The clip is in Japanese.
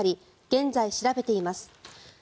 現在、調べています。